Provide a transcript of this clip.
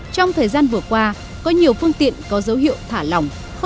trong thời gian vừa qua có nhiều phương tiện có dấu hiệu thả lòng